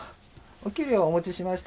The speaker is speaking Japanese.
お給料をお持ちしました。